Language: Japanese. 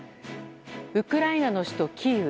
ウクライナの首都キーウ。